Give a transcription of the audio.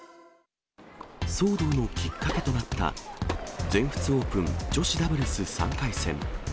騒動のきっかけとなった、全仏オープン女子ダブルス３回戦。